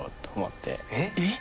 えっ？